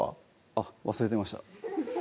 あっ忘れてました